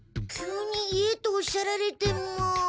急に言えとおっしゃられても。